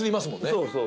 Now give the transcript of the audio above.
そうそう。